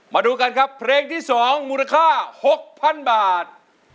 มาดูกันครับเพลงที่๒มูลค่า๖๐๐๐บาท